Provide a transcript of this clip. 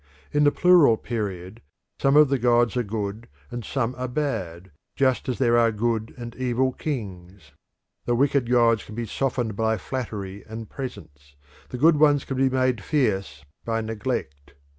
In the plural period some of the gods are good and some are bad, just as there are good and evil kings. The wicked gods can be softened by flattery and presents, the good ones can be made fierce by neglect.